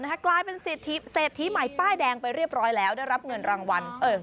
กลายเป็นเศรษฐีใหม่ป้ายแดงไปเรียบร้อยแล้วได้รับเงินรางวัล